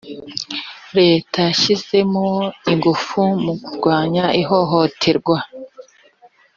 leta yashyizemo ingufu mukurwanya ihohoterwa.